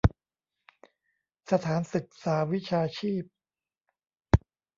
สถานศึกษาวิชาชีพ